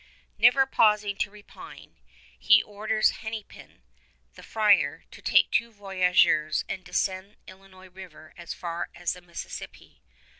Never pausing to repine, he orders Hennepin, the friar, to take two voyageurs and descend Illinois River as far as the Mississippi.